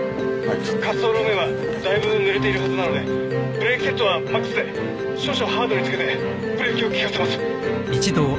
滑走路面はだいぶぬれているはずなのでブレーキセットはＭＡＸで少々ハードに着けてブレーキを利かせます。